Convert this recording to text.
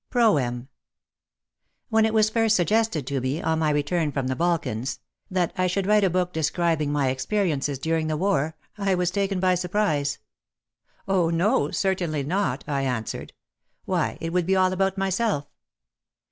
PROEM When it was first suggested to me — on my return from the Balkans — that I should write a book describing my experiences during the war, I was taken by surprise. Oh no ! certainly not," I answered. '* Why I it would be all about myself."